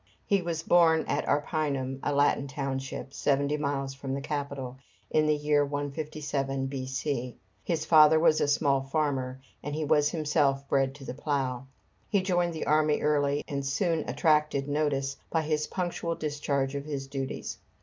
He was born at Arpinum, a Latin township, seventy miles from the capital, in the year 157 B.C. His father was a small farmer, and he was himself bred to the plough. He joined the army early, and soon attracted notice by his punctual discharge of his duties.